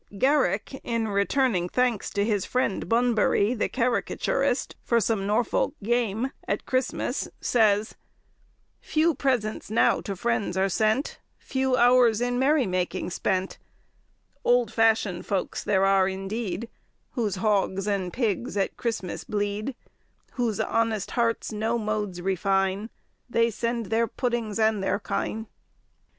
Garrick, in returning thanks to his friend Bunbury (the caricaturist) for some Norfolk game, at Christmas, says,— "Few presents now to friends are sent, Few hours in merry making spent; Old fashioned folks there are indeed, Whose hogs and pigs at Christmas bleed; Whose honest hearts no modes refine, They send their puddings and their chine."